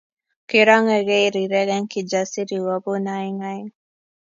Kirongekei rirek eng Kijasiri kobun oeng oeng